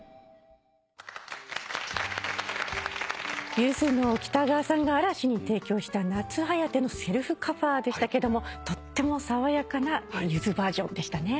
ゆずの北川さんが嵐に提供した『夏疾風』のセルフカバーでしたけどもとっても爽やかなゆずバージョンでしたね。